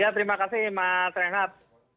terima kasih mas renat